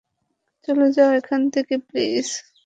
চলে যাও এখান থেকে, প্লিজ।